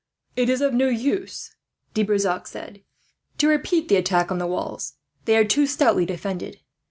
"It is of no use," De Brissac said, "to repeat the attack on the walls. They are too stoutly defended.